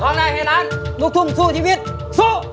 พอร้องได้ให้ร้านลูกทุ่มสู้ชีวิตสู้